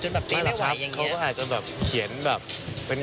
จนแบบเปรย์ไม่ไหวอย่างเงี้ยะไม่หรอกครับเขาก็อาจจะแบบเขียนแบบ